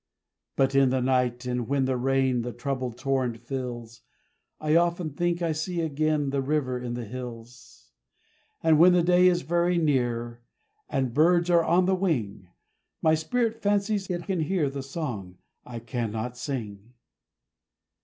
But in the night, and when the rain The troubled torrent fills, I often think I see again The river in the hills; And when the day is very near, And birds are on the wing, My spirit fancies it can hear The song I cannot sing.